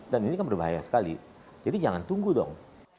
dan ini kan berbahaya sekali jadi jangan tunggu dong